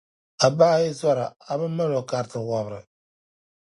A baa yi zɔra, a bi mal’ o kariti wɔbiri.